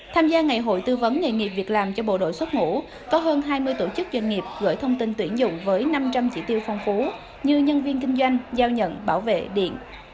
tham gia ngày hội tư vấn nghề nghiệp việc làm cho bộ đội xuất ngũ có hơn hai mươi tổ chức doanh nghiệp gửi thông tin tuyển dụng với năm trăm linh chỉ tiêu phong phú như nhân viên kinh doanh giao nhận bảo vệ điện